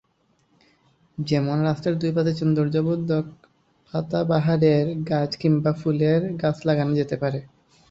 যেমন রাস্তার দুই পাশে সৌন্দর্যবর্ধক পাতাবাহারের গাছ কিংবা ফুলের গাছ লাগানো যেতে পারে।